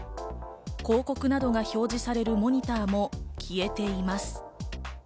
広告などが表示されるモニターも消えています。